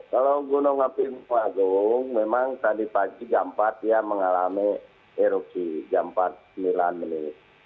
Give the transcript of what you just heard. kalau gunung api agung memang tadi pagi jam empat dia mengalami erupsi jam empat sembilan menit